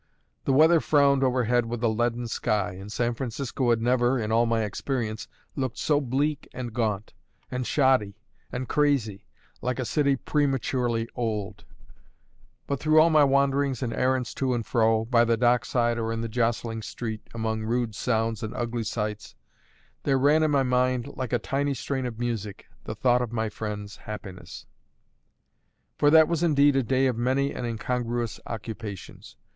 The weather frowned overhead with a leaden sky, and San Francisco had never (in all my experience) looked so bleak and gaunt, and shoddy, and crazy, like a city prematurely old; but through all my wanderings and errands to and fro, by the dock side or in the jostling street, among rude sounds and ugly sights, there ran in my mind, like a tiny strain of music, the thought of my friend's happiness. For that was indeed a day of many and incongruous occupations.